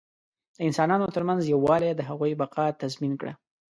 د انسانانو تر منځ یووالي د هغوی بقا تضمین کړه.